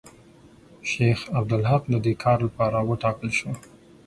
شیخ عبدالحق د دې کار لپاره وټاکل شو.